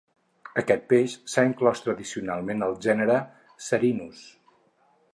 "Aquest peix s'ha inclòs tradicionalment al gènere ""Serinus""."